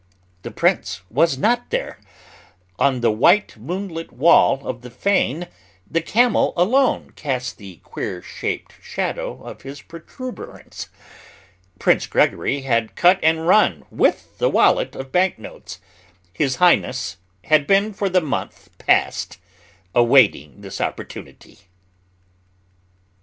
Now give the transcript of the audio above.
The prince was not there. On the white moonlit wall of the fane the camel alone cast the queer shaped shadow of his protuberance. Prince Gregory had cut and run with the wallet of bank notes. His Highness had been for the month past awaiting this opportunity.